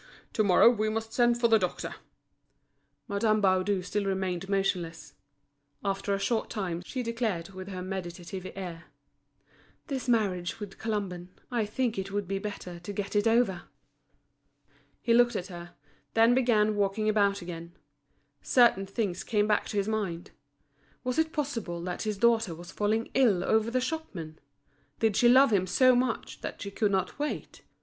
To morrow we must send for the doctor." Madame Baudu still remained motionless. After a short time, she declared with her meditative air: "This marriage with Colomban, I think it would be better to get it over." He looked at her, then began walking about again. Certain things came back to his mind. Was it possible that his daughter was falling ill over the shopman? Did she love him so much that she could not wait?